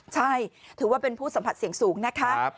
ใช่ถือว่าเป็นผู้สัมผัสเสี่ยงสูงนะคะ